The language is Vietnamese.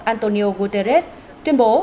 antonio guterres tuyên bố